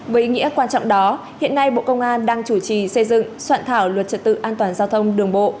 với ý nghĩa quan trọng đó hiện nay bộ công an đang chủ trì xây dựng soạn thảo luật trật tự an toàn giao thông đường bộ